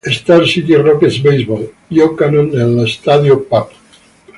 Star City Rockets: Baseball, giocano nello Stadio Papp.